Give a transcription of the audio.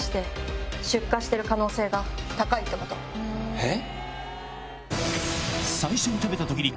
えっ⁉